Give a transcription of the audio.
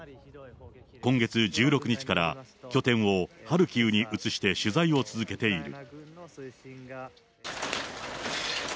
今月１６日から拠点をハルキウに移して取材を続けている。